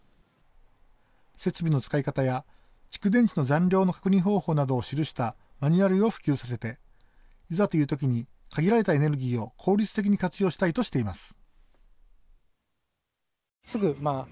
設備の使い方や蓄電池の残量の確認方法などを記したマニュアルを普及させていざという時に限られたエネルギーを効率的に活用したいとしています。